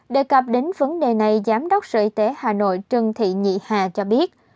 đề cập đến vấn đề này giám đốc sự y tế hà nội trưng thị nhị hà cho biết